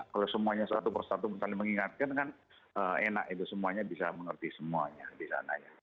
kalau semuanya satu persatu saling mengingatkan kan enak itu semuanya bisa mengerti semuanya di sana ya